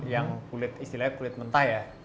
yang kulit istilahnya kulit mentah ya